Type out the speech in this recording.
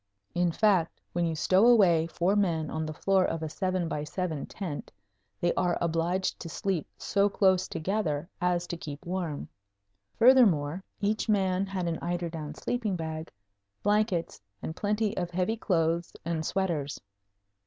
In fact, when you stow away four men on the floor of a 7 by 7 tent they are obliged to sleep so close together as to keep warm. Furthermore, each man had an eiderdown sleeping bag, blankets, and plenty of heavy clothes and sweaters.